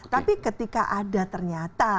tapi ketika ada ternyata